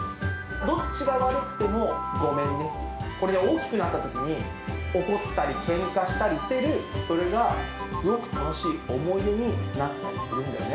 どっちが悪くてもごめんね、これね、大きくなったときに、怒ったりけんかしたりしている、それがすごく楽しい思い出になったりするんだよね。